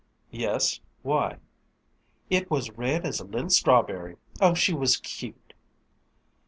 "Yes, why?" "It was red as a little strawberry. Oh, she was cute!"